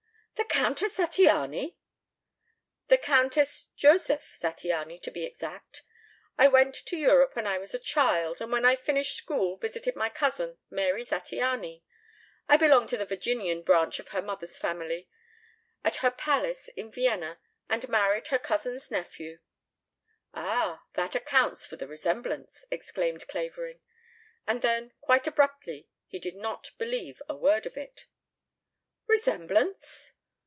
"The Countess Zattiany!" "The Countess Josef Zattiany, to be exact. I went to Europe when I was a child, and when I finished school visited my cousin, Mary Zattiany I belong to the Virginian branch of her mother's family at her palace in Vienna and married her cousin's nephew." "Ah! That accounts for the resemblance!" exclaimed Clavering. And then, quite abruptly, he did not believe a word of it. "Resemblance?"